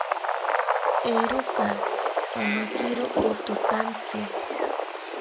Eeroka, pamakiro pothotaantzi